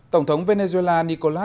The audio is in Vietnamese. tổng thống venezuela nicolás